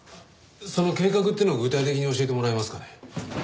その計画っていうのを具体的に教えてもらえますかね？